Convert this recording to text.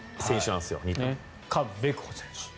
カン・ベクホ選手。